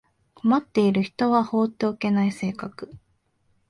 困っている人は放っておけない性格